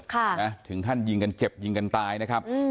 ค่ะนะถึงขั้นยิงกันเจ็บยิงกันตายนะครับอืม